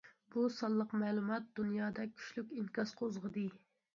بۇ سانلىق مەلۇمات دۇنيادا كۈچلۈك ئىنكاس قوزغىدى.